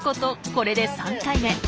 これで３回目。